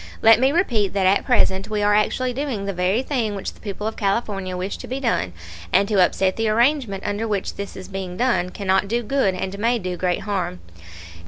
Let me repeat that at present we are actually doing the very thing which the people of California wish to be done, and to upset the arrangement under which this is being done cannot do good and may do great harm.